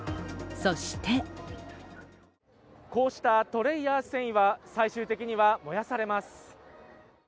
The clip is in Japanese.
そしてこうしたトレイや繊維は最終的には燃やされます。